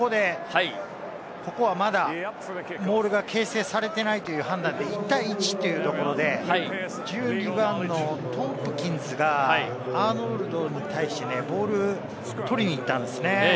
ここはまだモールが形成されていないという判断で１対１というところで１２番のトンプキンズがアーノルドに対してボールを取りに行ったんですよね。